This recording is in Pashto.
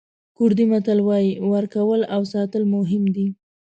کوردي متل وایي ورکول او ساتل مهم دي.